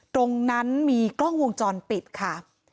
ตรงนั้นมีกล้องวงจรปิดค่ะ